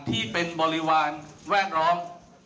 ที่เป็นบริวารแวดล้อม